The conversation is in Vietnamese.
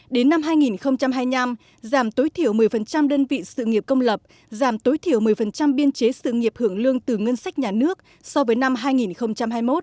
đến năm hai nghìn hai mươi năm giảm tối thiểu một mươi đơn vị sự nghiệp công lập giảm tối thiểu một mươi biên chế sự nghiệp hưởng lương từ ngân sách nhà nước so với năm hai nghìn hai mươi một